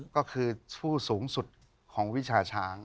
ก็คือผู้สูงสุดของวิชาช้าง